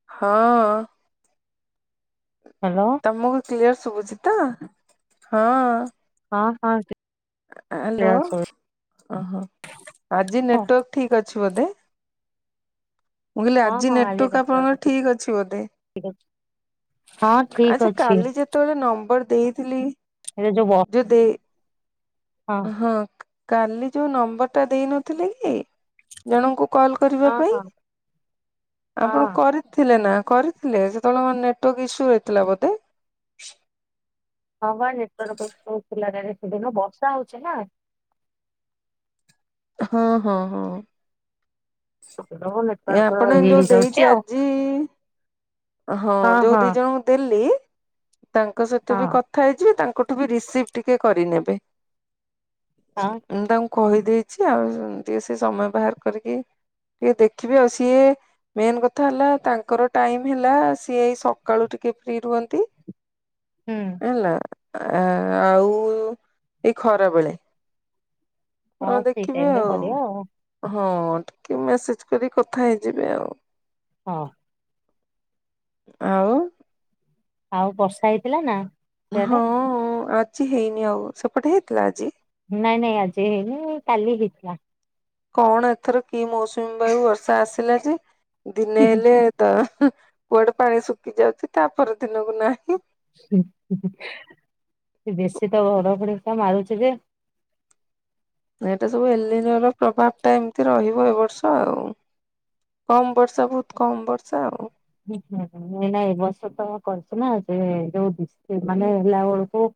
ହଁ। ହ୍ୟାଲୋ। ତମକୁ କ୍ଲିୟର ଶୁଭୁଛି ତ? ହଁ। ହଁ ହଁ। ଆଲୋ କ୍ଲିୟର ଶୁଭୁଛି ହ ହ। ଆଜି ତ ନେଟୱାର୍କ ଠିକ୍ ଅଛି ବୋଧେ। ମୁଁ କହିଲି ହଁ ଆଜି ହଁ ନେଟୁକ୍ ନେଟୱାର୍କ ଆପଣଙ୍କର ଠିକ୍ ଅଛି ବୋଧେ। ହଁ। ଠିକ ଆଚ୍ଛା ଅଛି କାଲି ଯେତେବେଳେ ନମ୍ବର ଦେଇଥିଲି ଏଇ ଯୋଉ ବ ଯୋଦେ ହଁ କାଲି ଯୋଉ ନମ୍ବରଟା ଦେଇନଥିଲି କି ଜଣଙ୍କୁ କଲ କରିବା ହଁ ପାଇଁ ହଁ ଆପଣ ହଁ କରି ଥିଲେ ନା କରିଥିଲେ ସେତେବେଳେ ମର ନେଟୱାର୍କ ଇସୁ ରହିଥିଲା ବୋଧେ। ହଁ ବା ନେଟୱା [unintelligible] ଥିଲା ସେଦିନ ବର୍ଷା ହୋଉଚି ନା। ହଁ ହଁ ହଁ। [unintelligible] ଏ ଆପଣ ଇଏ ଯୋଉ ହେଇଯାଉଛି ଦେଇଚି ଆଉ ଆଜି ହଁ ଯୋଉ ଦି ଜଣଙ୍କୁ ଦେଲି ତାଙ୍କ ସହିତ ବି ହଁ କଥା ହେଇଯିବେ ତାଙ୍କଠୁ ବି ରିସିଭ ଟିକେ କରିନେବେ। ହଁ ମୁଁ ତାଙ୍କୁ କହିଦେଇଚି ଆଉ ଟିକେ ସେ ସମୟ ବାହାର କରିକି ଟିକେ ଦେଖ ଖିବେ ଅଉ ସିଏ ମେନ୍ କଥା ହେଲା ତାଙ୍କର ଟାଇମ ହେଲା ସିଏଇ ସକାଳୁ ଟିକେ ଫ୍ରି ରୁହନ୍ତି। ହୁଁ ହେଲା ଆ ଆଉ ଏଇ ଖରା ବେଳେ। ହଁ ସେଇ ଟାଇମ ଦେଖିବେ ରେ କରିବା ଆଉ ହଁ ଟିକେ ମେସେଜ କରି କଥା ହେଇଯିବେ ଆଉ। ହଁ। ଆଉ। ଆଉ ବର୍ଷା ହେଇଥିଲା ନା। ସେଆଡେ ହଁ ଆଜି ହେଇନି ଆଉ ସେପଟେ ହେଇଥିଲା ଆଜି। ନାଇଁ ନାଇଁ ଆଜି ହେଇନି କାଲି ହେଇଥିଲା। କଣ ଏଥର କି ମୌସୁମୀ ବାୟୁ ବର୍ଷା ଆସିଲା ଯେ ଦିନେ ହେଲେ ତ କୁଆଡେ ପାଣି ଶୁକି ଯାଉଚି ତାପର ଦିନକୁ ନାହିଁ। ବେଶୀ ତ ଘଡ ଘଡି ଟା ମାରୁଚି ଯେ ଏଇଟା ସବୁ ଏଲିନିୟ ର ପ୍ରଭାବ ଟା ଏମିତି ରହିବ ଏ ବର୍ଷ ଆଉ। କମ୍ ବର୍ଷା ବୋହୁତ କମ୍ ବର୍ଷା ଆଉ। ହୁଁ ହୁଁ ମୁ ନା ଏ ବର୍ଷ ତ କରିଚୁ ନା ଯେ ଯୋଉ ମାନେ ହେଲା ବେଳକୁୁ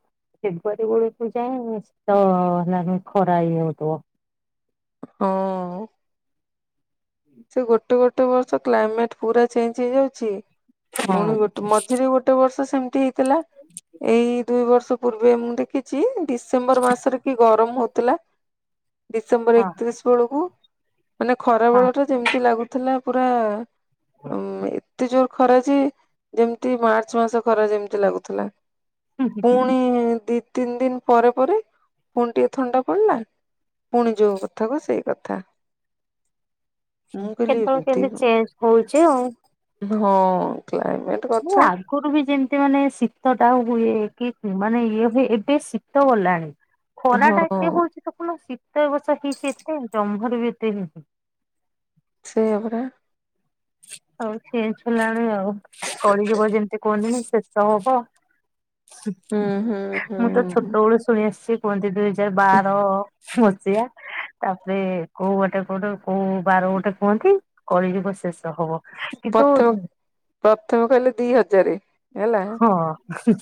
ଫେବୁଆରୀ ବେଳକୁ ଯାଁଏତ ହେଲାନ ଖରା ଇଏ ହଉଥିବ। ହଁ। ସେ ଗୋଟେ ଗୋଟେ ବର୍ଷ କ୍ଲାଇମେଟ ପୁରା ଚେଞ୍ଜ ହେଇଯାଉଚି ପୁଣି ହଁ ଗୋଟେ ମଝିରେ ଗୋଟେ ଗୋଟେ ବର୍ଷ ସେମିତି ହେଇଥିଲା ଏଇ ଦୁଇ ବର୍ଷ ପୂର୍ବେ ମୁଁ ଦେଖିଚି ଡିସେମ୍ବର ମାସରେ କି ଗରମ ହୋଉଥିଲା। ଡିସେମ୍ବର ହଁ ଏକତିରିଶ ବେଳକୁ ମାନେ ଖରା ହଁ ବେଳ ଟା ଯେମିତି ଲାଗୁଥିଲା ପୁରା [unintelligible] ଏତେ ଜୋର ଖରାଚେ ଯେମିତି ମାର୍ଚ୍ଚ ମାସ ଖରା ଯେମ୍ତି ଲାଗୁଥିଲା ହୁଁ ପୁଣି ପୁଣି ଦି ତିନି ଦିନି ପରେ ପରେ ପୁଣି ଟିକେ ଥଣ୍ଡା ପଡିଲା। ପୁଣି ଯୋଉ କଥା କୁ ସେଇ କଥା। ମୁଁ କହିଲି କେତେଳେ ଏମିତି କେମିତି ଚେଞ୍ଜ ହୋଉଚି ଆଉ। ହଁ କ୍ଲାଇମେଟ [inaudible] କଥା ଆଗରୁ ବି ଯେମିତି ମାନେ ଶୀତ ଟା ହୁଏ କି ମାନେ ଇଏ ହୁଏ ଏବେ ଶୀତ ଗଲାଣି। ଖରା ଟା ହଁ ଏତେ ହଉଛି ଦେଖୁନ ଶୀତ ଏ ବର୍ଷ ହେଇଛି ଏତେ ଜମ୍ଭାରୁ ବି ଏତେ ହେଇନି ସେଇଆ ପରା। ଆଉ ସିଏ ଚେଞ୍ଜ ହେଲାଣି ଆଉ କଳିଯୁଗ ଯେମିତି କୁହନ୍ତିିନି ଶେଷ ହବ। ହୁଁ ହୁଁ ମୁଁ ତ ହୁଁ ଛୋଟବେଳୁ ଶୁଣି ଆସିଛି। କୁହନ୍ତି ଦୁଇ ହଜାର ବାର ମସିହା ତାପରେ କୋଉ ଗୋଟେ କୋଉଠେ କୋଉ ବାର ଗୋଟେ କୁହନ୍ତି କଳିଯୁଗ ଶେଷ ହବ। କିନ୍ତୁ ପ୍ରଥମ ପ୍ରଥମ କହିଲେ ଦି ହଜାର ହେଲା ହଁ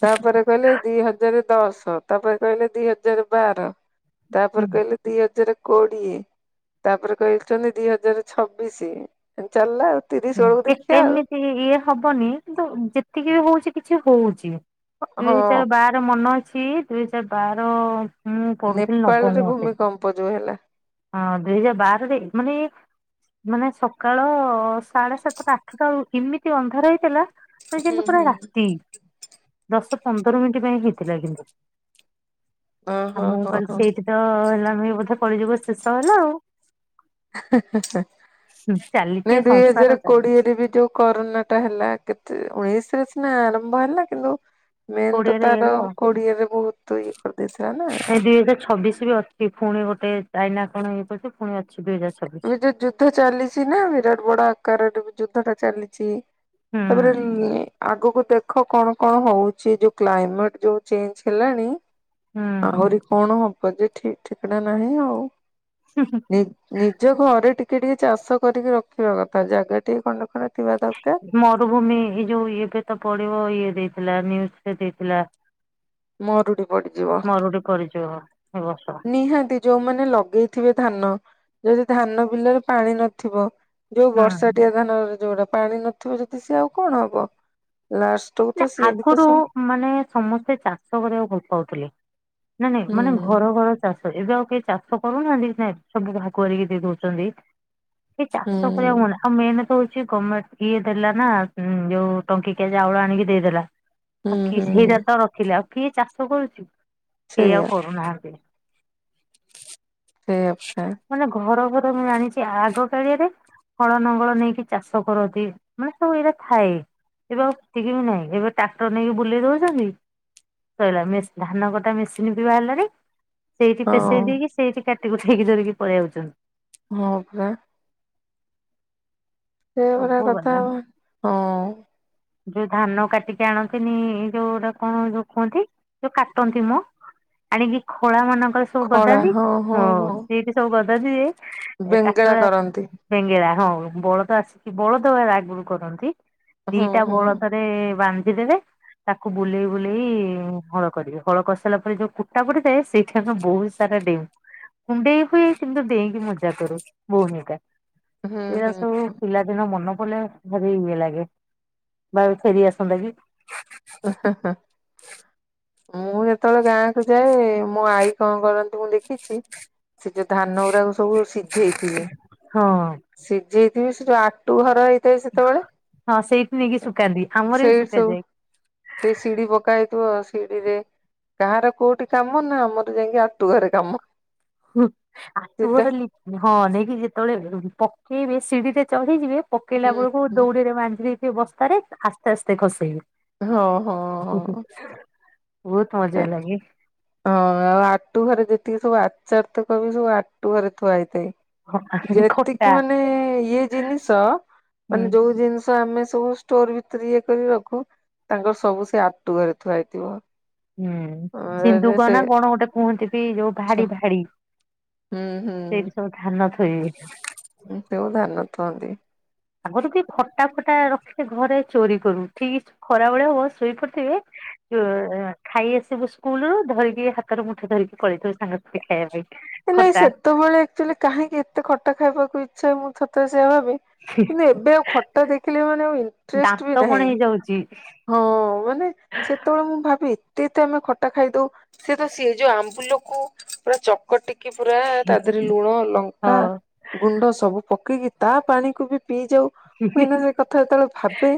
ତାପରେ କହିଲେ ଦି ହଜାର ଦଶ ତାପରେ କହିଲେ ଦି ହଜାର ବାର ତାପରେ କହିଲେ ଦି ହଜାର କୋଡିଏ। ତାପରେ କହଛନ୍ତି ଦି ହଜାର ଛବିଶି ଚାଲିଲା ଆଉ ତିରିଶ ବେଳକୁ ହୁଁ ଦେଖିବା ଆଉ। ଏମିତି ଇଏ ହବନି କିନ୍ତୁ ଯେତିକି ବି ହଉଛି କିଛି ହଉଛି। ଦୁଇ ହଁ ହଜାର ବାର ମନ ଅଛି ଦୁଇ ହଜାର ବାର ମୁଁ ପଢୁଥିଲି ନେପାଳ ନବମ ରେ ବୋଧେ। ଭୂମି କମ୍ପ ଯୋଉ ହେଲା। ହଁ ଦୁଇ ହଜାର ବାରରେ ମାନେ ମାନେ ସକାଳ ସାଢେ ସାତଟା ଆଠଟା ବେଳକୁ ଏମିତି ଅନ୍ଧାର ହେଇଥିଲା କହିବ ହୁଁ ଯେମିତି ପୁରା ହୁଁ। ରାତି ଦଶ ପନ୍ଦର ମିନିଟ ପାଇଁ ହେଇଥିଲା କିନ୍ତୁ ଓହୋ ଆଉ ମୁଁ ହୋ କହିଲି ହୋ ସେଇଠି ତ ହେଲାଣି ବୋଧେ କଳିଯୁଗ ଶେଷ ହେଲା ଆଉ। ହେଁ ହେଁ ହେଁ ହୁଁ ନାଇ ଚାଲିଛି ଦୁଇ ସଂସାର ହଜାର ଚାଲିଛି କୋଡିଏରେ ବି ଯୋଉ କରୋନା ଟା ହେଲା କେତେ ଉଣେଇଶରେ ସିନା ଆରମ୍ଭ ହେଲା କିନ୍ତୁ ମେନ୍ ତ କୋଡିଏରେ ଇଏ ତାର ହେଲା ଆଉ। କୋଡିଆ ରେ ବହୁତ ଇଏ କରିଦେଇଥିଲା ନାଇଁ ନା। ଦୁଇ ହଜାର ଛବିଶ ବି ଅଛି ପୁଣି ଗୋଟେ ଚାଇନା କଣ ହେଇ କରଛି ପୁଣି ଅଛି ଦୁଇ ହଜାର ଏବେ ଛବିଶ। ଯୋଉ ଯୁଦ୍ଧ ଚାଲିଛି ନା ବିରାଟ ବଡ ଆକାରରେ ଯୁଦ୍ଧ ଟା ଚାଲିଛି ହୁଁ ତାପରେ ଆଗକୁ ଦେଖ କଣ କଣ ହଉଛି ଯୋଉ କ୍ଲାଇମେଟ ଯୋଉ ଚେଞ୍ଜ ହେଲାଣି। ହୁଁ ଆହୁରି କଣ ହବ ଯେ ଠିକ ଠିକଣା ନାହିଁ ଆଉ। ହୁଁ ହୁଁ। ନିଜ ଘରେ ଟିକେ ଟିକେ ଚାଷ କରିକି ରଖିବା କଥା ଜାଗା ଟିକେ ଖଣ୍ଡେ ଖଣ୍ଡେ ଥିବା ଦରକାର। ମରୁଭୂମି ଏ ଯୋଉ ଏବେ ତ ପଡିବ ଇଏ ଦେଇଥିଲା ନିଉଜରେ ଦେଇଥିଲା। ମରୁଡି ପଡିଯିବ ମରୁଡି ପରିଚୟ ଏ ବର୍ଷ। ନିହାତି। ଯୋଉମାନେ ଲଗେଇଥିବେ ଧାନ ଯଦି ଧାନ ବିଲରେ ପାଣି ନଥିବ। ଯୋଉ ହୁଁ ବର୍ଷାଟିଆ ଧାନରେ ଯୋଉଟା ପାଣି ନଥିବ ଯଦି ସିଏ ଆଉ କଣ ହବ ଲାଷ୍ଟ ଆଗରୁ ମାନେ ସମସ୍ତେ ଚାଷ କରିବାକୁ ଭଲ ପାଉଥିଲେ। ନା ନାଇଁ ହୁଁ ମାନେ ଘର ଘର ଚାଷ ଏବେ ଆଉ କେହି ଚାଷ କରୁନାହାନ୍ତି ନାଇ ସବୁ ଭାଗୁଆରିକି ଦେଇ ଦଉଛନ୍ତି। ସେ ହୁଁ ଚାଷ କରିବା ମନା। ହଁ ମେନ୍ ତ ହଉଛି ଗଭର୍ଣମେଣ୍ଟ ଇଏ ଦେଲା ନା ଯୋଉ ଟଙ୍କିକିିଆ ଚାଉଳ ଆଣିକି ଦେଇଦେଲା। ହୁଁ ଆଉ କିଏ ସେଇଟା ହୁଁ ତ ରଖିଲେ ଆଉ କିଏ ଚାଷ କରୁଛି କେଇ ଆଉ ସେଇଆ କରୁନାହାନ୍ତି। ସେଇଆ ପା ମାନେ ଘର ଘର ମୁଁ ଜାଣିଛି ଆଗ କାଳିଆରେ ହଳ ନଙ୍ଗଳ ନେଇକି ଚାଷ କରନ୍ତି ମାନେ ସବୁ ଏଇଟା ଥାଏ। ଏବେ ଆଉ କିଚି ବି ନାହିଁ ଏବେ ଟ୍ରାକ୍ଟର ନେଇକି ବୁଲେଇ ଦଉଛନ୍ତି ସଇଲା ମେ ଧାନ କଟା ମେସିନବି ବାହାରିଲାଣି। ସେଇଠି ହଁ ପେଷେଇ ଦେଇକି ସେଇଠି କାଟି କୁଟା କି ଧରିକି ପଳେଇ ଆଉଛନ୍ତି। ହଁ ପା। ସେଭଳିଆ ସବୁ କଥା ଗଲା। ଆଉ। ଯୋଉ ଧାନ କାଟିକି ଆଣନ୍ତିନି, ଯୋଉଟା କଣ ଯୋଉ କୁହନ୍ତି? ଯୋଉ କାଟନ୍ତି ମ ଆଣିକି ଖଳା ମାନଙ୍କରେ ସବୁ ଗଦାନ୍ତି। ହଁ ସେ ସବୁ ଗାଧାନ୍ତି ଯେ ବେଙ୍ଗେଳା ଟ୍ରାକ୍ଟର କରନ୍ତି। ବେଙ୍ଗେଳା ହଁ ବଳଦ ଆସି ବଳଦ ଏରା ଆଗରୁ କରନ୍ତି। ହୁଁ ଦିଟା ହୁଁ ବଳଦରେ ବାନ୍ଧିଦେବେ ତାକୁ ବୁଲେଇ ବୁଲେଇ ହଳ କରିବେ। ହଳ କରିସାରିଲା ପରେ ଯୋଉ କୁଟା ପୁଟି ଥାଏ ସେଇଠି ଆମେ ବହୁତ ସାରା ଡେଉଁ କୁଣ୍ଡେଇ ହୁଏ କିନ୍ତୁ ଡେଇଁକି ମଜା କରୁ। ଭଉଣୀ ଟା ହୁଁ ଏରା ସବୁ ହୁଁ। ପିଲାଦିନ ମନେ ପଡିଲେ ଭାରି ଇଏ ଲାଗେ ଭାବେ ଫେରି ଆସନ୍ତା କି। ଓ ହ ହଁ। ମୁଁ ଯେତେବେଳେ ଗାଁ କୁ ଯାଏ, ମୋ ଆଈ କଣ କରନ୍ତି ମୁଁ ଦେଖିଛି। ସେ ଯୋଉ ଧାନ ଗୁଡାକ ସବୁ ସିଝେଇଥିବେ। ହଁ। ସିଝେଇଥିବି ସେ ଯୋଉ ଆ ତୁ ଘର ହେଇଥାଏ ସେତେବେଳେ ହଁ ସେଇଠି ନେଇକି ତ ଶୁକାନ୍ତି ଆମର ବି ସେଇଟି ସବୁ ଶୁକାଯାଏ। ସେଇ ଶିଡ଼ି ପକା ହେଇଥିବ। ସିଡ଼ି ରେ କାହାର କୋଉଠି କାମ ନା ଆମର ଯାଇକି ଆଟୁଘରେ କାମ। ଆଠୁ ସିଧା ଘର ଲି ହଁ ନେଇକି ଯେତେବେଳେ ପକେଇବେ ସିଢିରେ ଚଢ଼ିଯିବେ ହୁଁ ପକେଇଲା ବେଳକୁ ଦଉଡିରେ ବାନ୍ଧି ଦେଇଥିବେ ବସ୍ତାରେ ଆସ୍ତେ ଆସ୍ତେ ହଁ ହଁ ଖସେଇବେ। ହଁ। ବହୁତ ମଜା ଲାଗେ। ହଁ। ଆଉ ଆଟୁ ଘରେ ଯେତିକି ସବୁ ଆଚାର୍ଥକ କରୁ ସବୁ ଆଟୁ ଘରେ ଥୁଆ ହେଇଥାଏ। ଖଟା ଯେତିକି ମାନେ ଇଏ ଜିନିଷ ହୁଁ ମାନେ ଯୋଉ ଜିନି ଆମେ ସବୁ ଷ୍ଟୋର ଭିତରେ ଇଏ କରି ରଖୁ ତାଙ୍କର ସବୁ ସେ ଆଟୁ ଘରେ ଥୁଆ ହେଇଥିବ। ହୁଁ। ଅ ସିନ୍ଧୁକ ସେ ନା କଣ ଗୋଟେ କୁହନ୍ତି କି ଯୋଉ ଭାଡି ଭାଡି ହୁଁ। ହୁଁ। ସେଇଠି ସବୁ ଧାନ ଥୋଇବେ। ହଁ, ସେ ଉ ଧାନ ଥୁଅନ୍ତି। ଆଗରୁ ବି ଖଟା ଫଟା ରଖେ ଘରେ ଚୋରି କରୁ ଠିକ ଖରାବେଳେ ହବ ଶୋଇପଡିଥିବେ। [unintelligible] ଖାଇ ଆସିବୁ ସ୍କୁଲୁରୁ ଧରିକି ହାତ ରୁ ମୁଠେ ଧରିକି ପଳେଇଥିବୁ ସାଙ୍ଗସାଥି ଖାଇବା ପାଇଁ। ନାଇଁ ଖଟା ସେତେବେଳେ ଆକ୍ଚୁଆଲି କାହିଁକି ଏତେ ଖଟା ଖାଇବାକୁ ଇଚ୍ଛା ମୁଁ ଥରେ ଥରେ ସେଆ ଭାବେ। କିନ୍ତୁ ଏବେ ଆଉ ଖଟା ଦେଖିଲେ ମାନେ ଆଉ ଇଣ୍ଟରେଷ୍ଟ ଦାନ୍ତ ବି କଣ ନାହିଁ। [unintelligible] ହଁ ମାନେ ସେତେବେଳେ ମୁଁ ଭାବି ଏତେ ଏତେ ଆମେ ଖଟା ଖାଇଦଉ। ସେ ତ ସେ ଯୋଉ ଆମ୍ବୁଲକୁ ପୁରା ଚକ କଟିକି ପୁରା ତା ଦେହରେ ଲୁଣ ଲଙ୍କା। ହଁ ଗୁଣ୍ଡ ସବୁ ପକେଇକି ତା ପାଣି କୁ ବି ପିଇଯାଉ। ପିଇଦେ କଥା ଯେତେବେଳେ ଭାବେ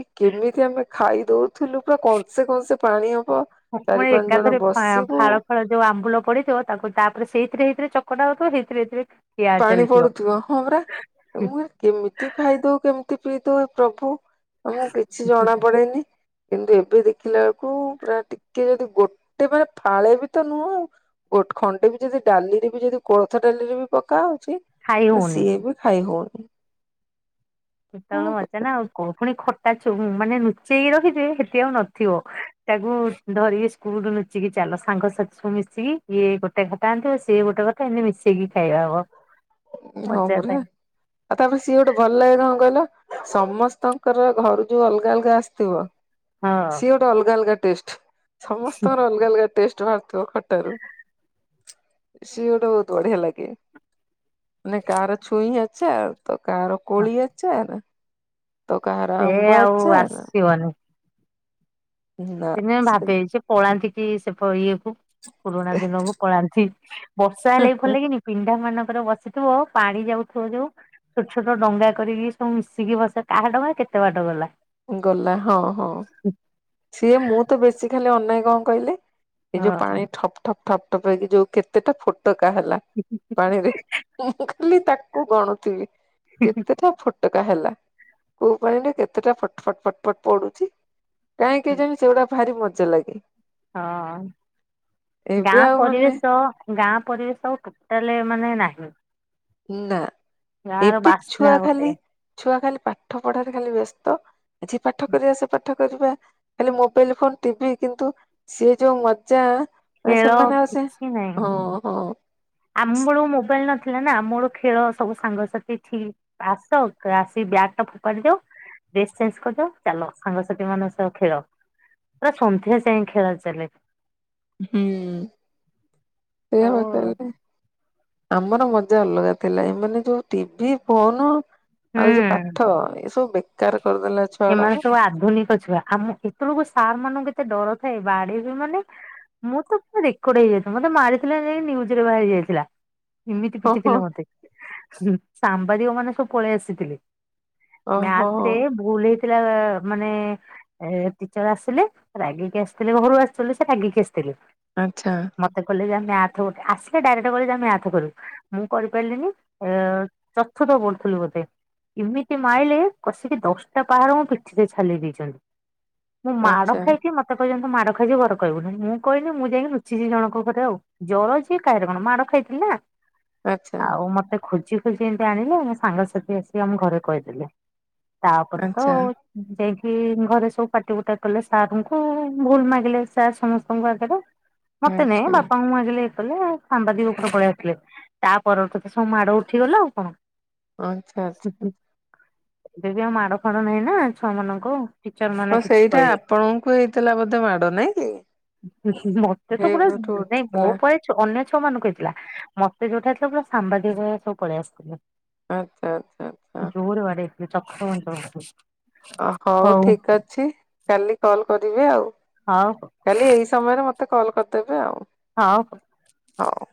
କି କେମିତି ଆମେ ଖାଇ ଦଉଥିଲୁ ପୁରା କନ୍ସେ କନ୍ସେ ପାଣି ହବ। [unintelligible] ଚାରି ପାଞ୍ଚ ଜଣ ଏକାଥରେ ଫା ବସିବୁ ଫାଳ। [unintelligible] ଯୋଉ ଆମ୍ବୁଲ ପଡିଥିବ ତାକୁ ତାପରେ ସେଇଥିରେ ସେଇଥିରେ ଚକଟା ହଉଥିବ ସେଇଥିରେ ହେଇଥିରେ ପାଣି ପଡୁଥିବ ହଁ ପରା। ମୁଁ କେମିତି ଖାଇଦଉ କେମିତି ପିଇଦଉ ଏ ପ୍ରଭୁ। ଆମକୁ କିଛି ଜଣା ପଡେନି। କିନ୍ତୁ ଏବେ ଦେଖିଲା ବେଳକୁ ପୁରା ଟିକେ ଯଦି ଗୋଟେ ମାନେ ଫାଳେ ବି ତ ନୁହଁ ଆଉ। ଗୋଟେ ଖଣ୍ଡେ ବି ଯଦି ଡାଲିରେ ବି ଯଦି କୋଳଥ ଡାଲିରେ ବି ପକା ହଉଛି ଖାଇ ତ ହଉନି। ସିଏ ବି ଖାଇ ହଉନି। କଣ ସେତବେଳେ ମଜା ନା ଆଉ। ପୁଣି ଖ ତା ମାନେ ଲୁଚେଇକି ରଖିଥିବେ ସେଠି ଆଉ ନଥିବ। ତାକୁ ଧରିକି କଉଠୁ ଲୁଚିକି ଚାଲ ସାଙ୍ଗସଥି ସବୁ ମିଶିକି ଇଏ ଗୋଟେ ଖଟା ଆଣିଥିବ ସିଏ ଗୋଟେ ଖଟା ଏମତି ମିଶେଇକି ଖାଇବା ହବ। [unintelligible] ହଁ ଥାଏ ପରା। ଆଉ ତାପରେ ସିଏ ଗୋଟେ ଭଲ ଲାଗେ କଣ କହିଲ? ସମସ୍ତଙ୍କର ଘରୁ ଯୋଉ ଅଲଗା ଅଲଗା ଆସିଥିବ। ହଁ। ସିଏ ଅଲଗା ଅଲଗା ଟେଷ୍ଟ। ସମସ୍ତଙ୍କର ଅଲଗା ଅଲଗା ଟେଷ୍ଟ ବାହାର ତ ଖଟାରୁ ସିଏ ଗୋଟେ ବହୁତ ବଢିଆ ଲାଗେ। ନାଇଁ କାର ଛୁଇଁ ଆଚାର୍ ତ କାର ହଁ, କୋଳି ଆଚାର। ତ କାହାର ସେ ଆମ୍ବ ଆଉ ଆଚାର। ଆସିବନି। ଦିନେ ଭାବେ ସେ ପଳାନ୍ତି କି ସେ ଇଏ କୁ। ପୁରୁଣା ଦିନକୁ ପଳାନ୍ତି ବର୍ଷା ହେଲେ ବି ଭଲ ଲାଗେନି। ପିଣ୍ଡା ମାନଙ୍କର ବସିଥିବ ପାଣି ଯାଉଥିବ ଯୋଉ। ଛୋଟ ଛୋଟ ଡଙ୍ଗା କରିକି ସବୁ ମିଶିକି ବସେ କାହା ଡ଼ଙ୍ଗା କେତେ ବାଟ ଗଲା। ଗଲା ହଁ ହଁ। ସିଏ ମୁଁ ତ ବେଶୀ ଖାଲି ଅନାଏ କଣ କହିଲେ ଏଇ ହଁ। ଯୋଉ ପାଣି। ଠପ୍ ଠପ୍ ଠପ୍ ଠପ୍ ହେଇି କି ଯୋଉ କେତେଟା ଫୋଟକା ହେଲା। ହୁଁ [inaudible] ପାଣିରେ [unintelligible] ମୁଁ ଖାଲି ତାକୁ ଗଣୁଥିବି କେତେଟା ଫୁ ଫୁଟୁକା ହେଲା କୋଉ ପାଣିରେ କେତେଟା ଫଟ ଫଟ ଫଟ ଫଟ ପଡୁଛି। କାହିଁକ କେଯାଣି ସେଗୁଡା ଭାରି ମଜା ଲାଗେ। ହଁ ଏବେ ଗାଁ ଆଉ ମାନେ ପରିବେଶ। ତ ଗାଁ ପରିବେଶ ଆଉ ଟୋଟାଲ ମାନେ ନାହିଁ। ନା ଗାଁ ର ଏବେ ବାସ୍ନା ଛୁଆ ଗୋଟେ ଖାଲି। ଛୁଆ ଖାଲି ପାଠ ପଢାରେ ଖାଲି ବ୍ୟସ୍ତ ଆଜି ପାଠ କରିବା ସେ ପାଠ। କରିବା ଖାଲି ମୋବାଇଲ ଫୋନ ଟିଭି କିନ୍ତୁ ସିଏ ଯଉ ମଜା। ଆ ଖେଳ ସେମାନେ ଆଉ ସେ କିଛି ନାହିଁ। ହୁଁ ହୁଁ। ଆମ ବେଳକୁ ମୋବାଇଲ ନଥିଲା ନା ଆମର ଖେଳ ସବୁ ସାଙ୍ଗସାଥି ଥି ଆସ ତ ଆସିକି ବ୍ୟାଗ ଟା ଫୋପାଡି ଦଉ। ଡ୍ରେସ୍ ଚେଞ୍ଜ କରିଦଉ ଚାଲ ସାଙ୍ଗସାଥି ମାନଙ୍କ ସହ ଖେଳ। ପୁରା ସନ୍ଧ୍ୟା ଯାଏ ଖେଳ ଚାଲେ। ହୁଁ ସେ ଓ [inaudible] ଆମର ମଜା ଅଲଗା ଥିଲା ଏମାନେ ଯୋଉ ଟିଭି ଫୋନ। ଆଉ ଏଇ ଯୋଉ ହୁଁ ପାଠ ଏ ସବୁ ବେକାର କରିଦେଲା ଛୁଆ ଏମାନେ ଗୁଡାକୁ। ସବୁ ଆଧୁନିକ ଛୁଆ ଆମ। ସେତେବେଳକୁ ସାର୍ ମାନଙ୍କୁ କେତେ ଡର ଥାଏ ବାଡେଇବେ ମାନେ। ମୁଁ ତୁ ପୁରା ରେକର୍ଡ ହେଇଯାଇଥିଲା ମତେ ମାରିଥିଲେ ଯାଇକି ନ୍ୟୁଜରେ ବାହାରି ଯାଇଥିଲା। ଏମିତି ହଁ ପିଟି ହଁ ଥିଲେ ମତେ ସାମ୍ବାଦିକ ମାନେ ସବୁ ପଳେଇ ଆସିଥିଲେ। ଓହୋ ମ୍ୟାଥରେ ଭୁଲ ହେଇଥିଲା ମାନେ, ଏ ଟିଚର ଆସିଲେ ରାଗିକି ଆସିଥିଲେ ଘରୁ ଆଚ୍ୟୁଆଲି ସେ ରାଗିକି ଆସିଥିଲେ। ଆଚ୍ଛା। ମତେ କହିଲେ ଯା ମ୍ୟାଥି ଗୋଟେ ଆସିଲେ ଡାଇରେକ୍ଟ କହିଲେ ଯା ମ୍ୟାଥି କରିବୁ। ମୁଁ କରିପାରିଲିନି ଆ ଚତୁର୍ଥ ପଢୁଥିଲି ବୋଧେ। ଏମିତି ମାଇଲେ କଷିକି ଦଶଟା ପାହାରକୁ ମୋ ପିଠିରେ ଛାଲି ଦେଇଛନ୍ତି। ମୁଁ ମାଡ଼ ଆଚ୍ଛା ଖାଇଛି ମତେ କହିଛନ୍ତି ମାଡ ଖାଇଛୁ ଘରେ କହିବୁନି ମୁଁ କହିଲି ମୁଁ ଯାଇକି ଲୁଚିଛି ଜଣଙ୍କ ଘରେ ଆଉ। ଜ୍ୱର ଯେ କାହିଁରେ କଣ ମାଡ ଖାଇଥିଲି ନା। ଆଚ୍ଛା। ଆଉ ମତେ ଖୋଜି ଖୋଜି ଏମିତି ଆଣିଲେ ସାଙ୍ଗସାଥି ଆସିକି ଆମ ଘରେ କହିଦେଲେ। ତାପରେ ତ ଆଚ୍ଛା। ଯାଇକି ଘରେ ସବୁ ପାଟିପୁଟା କଲେ ସାରଙ୍କୁ ଭୁଲ ମାଗିଲେ ସାର୍ ସମସ୍ତଙ୍କ ଆଗରେ। ମତେ ନାଇଁ ଆଚ୍ଛା ବାପାଙ୍କୁ ମାଗିଲେ। [unintelligible] ସାମ୍ବାଦିକ ଉପରେ ପଳେଇ ଆସଥିଲେ ତା ପରଠୁ ତ ସବୁ ମାଡ ଉଠିଗଲା ଆଉ କଣ। ଆଚ୍ଛା ଆଚ୍ଛା। ଏବେ ବି ଆଉ ମାଡ ଫାଡ ନାହିଁ ନା ଛୁଆ ମାନଙ୍କୁ। ଟିଚର ମାନେ ହଁ କିଛି ସେଇଟା କହିବେ ଆପଣଙ୍କୁ ହେଇଥିଲା ବୋଧେ ମାଡ ନାଇଁ କି? ଉଁ ହୁଁ ମତେ ତ ପୁରା ହେଇଠୁ ନାଇଁ ମୋ ଉଠିଥିଲା ପାଇଁ। ଅନ୍ୟ ଛୁଅ ମାନଙ୍କୁ ହେଇଥିଲା ମତେ ଯୋଉଟା ହେଇ ଥିଲା ପୁରା ସାମ୍ବାଦିକ ମାନେ ସବୁ ପଳେଇ ଆସିଥିଲେ। ଆଚ୍ଛା ଆଚ୍ଛା। ଆଚ୍ଛା ଜୋରେ ବାଡ଼େଇଥିଲେ ଚତୁର୍ଥ ପଞ୍ଚମଠୁ। ଅ ହଉ ଠିକ ଅଛି କାଲି କଲ କରିବି ଆଉ। ହଉ ହଉ। କାଲି ଏଇ ସମୟରେ ମତେ କଲ୍ କରିଦେବେ ଆଉ। ହଉ ହଉ। ହଉ।